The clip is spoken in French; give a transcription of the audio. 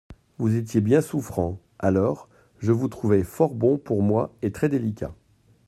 Vous étiez bien souffrant, alors ; je vous trouvai fort bon pour moi et très-délicat.